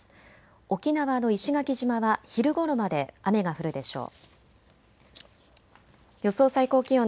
沖縄の石垣島は昼ごろまで雨が降るでしょう。